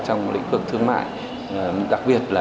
thương mại đặc biệt là